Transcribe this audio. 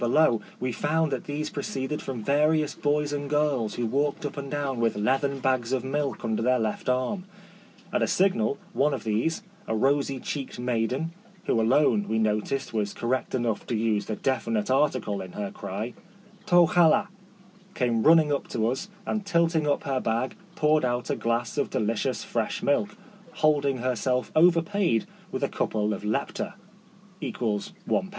[May below we found that these pro ceeded from various boys and girls who walked up and down with leathern bags of milk under their left arm. At a signal, one of these, a rosy cheeked maiden — who alone, we noticed, was correct enough to use the definite article in her cry (TO yoXa) — came running up to us, and tilting up her bag poured out a glass of delicious fresh milk, hold ing herself overpaid with a couple of lepta (= Id.)